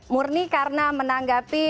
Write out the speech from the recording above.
murni karena menanggapi